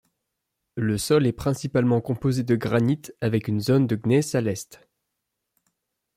Le sol est principalement composé de granit, avec une zone de gneiss à l'est.